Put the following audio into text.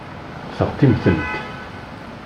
Seɣtimt-tent.